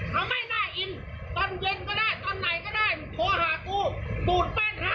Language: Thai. เอาไม่น่ากินตอนเย็นก็ได้ตอนไหนก็ได้มึงโทรหากูปูดแป้นให้